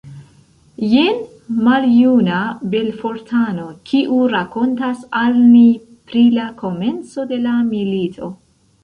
Jen maljuna Belfortano, kiu rakontas al ni pri la komenco de la milito.